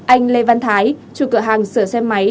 anh lê văn thái chủ cửa hàng sửa xe máy